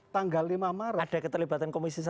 tanggal lima maret ada keterlibatan komisi satu